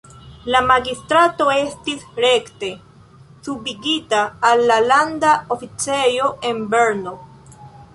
La magistrato estis rekte subigita al la landa oficejo en Brno.